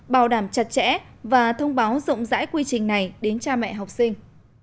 bảo đảm chặt chẽ và thông báo dụng giải quy trình này đến cha mẹ học sinh